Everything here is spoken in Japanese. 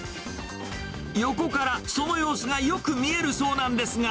横からその様子がよく見えるそうなんですが。